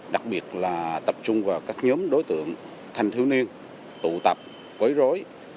đặc biệt là tập trung vào các nhóm đối tượng thanh thiếu niên tụ tập quấy rối